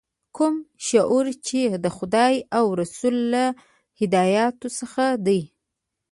کوم شعور چې د خدای او رسول له هدایاتو څخه دی.